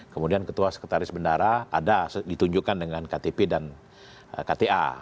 kemudian ketua sekretaris bendara ada ditunjukkan dengan ktp dan kta